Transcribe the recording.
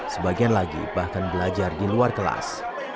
sebagian lagi bahkan belajar di luar kelas